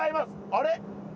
あれ？